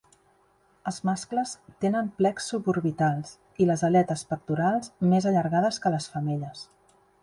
Els mascles tenen plecs suborbitals i les aletes pectorals més allargades que les femelles.